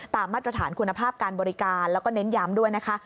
มาตรฐานคุณภาพการบริการแล้วก็เน้นย้ำด้วยนะคะ